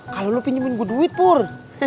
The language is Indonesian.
kalau lo pinjemin gue duit pur